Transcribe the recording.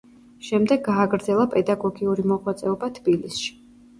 შემდეგ გააგრძელა პედაგოგიური მოღვაწეობა თბილისში.